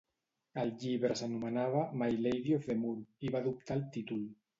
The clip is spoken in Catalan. El llibre s'anomenava "My Lady of the Moor" i va adoptar el títol.